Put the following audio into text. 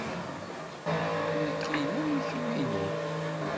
Nekk inem, kemm inu.